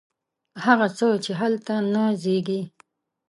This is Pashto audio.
هغه څه، چې هلته نه زیږي